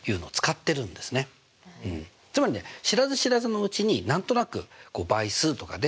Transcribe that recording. つまりね知らず知らずのうちに何となく倍数とかね